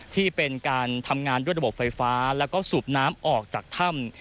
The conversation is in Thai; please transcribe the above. ที่เป็นการทำงานด้วยระบบไฟฟ้าแล้วก็สูบน้ำออกจากถ้ำ